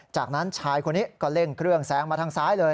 จากนั้นชายคนนี้ก็เร่งเครื่องแซงมาทางซ้ายเลย